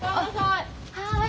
はい。